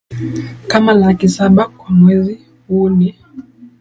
kama laki saba kwa mwezi Huu ni